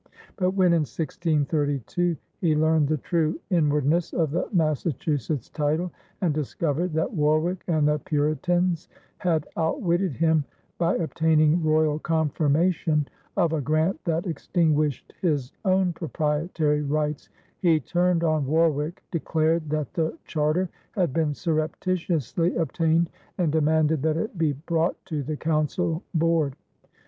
But when in 1632, he learned the true inwardness of the Massachusetts title and discovered that Warwick and the Puritans had outwitted him by obtaining royal confirmation of a grant that extinguished his own proprietary rights, he turned on Warwick, declared that the charter had been surreptitiously obtained, and demanded that it be brought to the Council board.